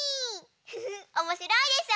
ふふおもしろいでしょ？